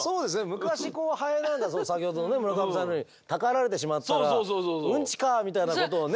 昔ハエなんか先ほどの村上さんの言うようにたかられてしまったら「ウンチかあ」みたいなことを言う